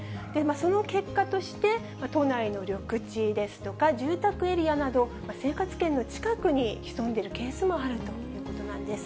その結果として、都内の緑地ですとか住宅エリアなど、生活圏の近くに潜んでいるケースもあるということなんです。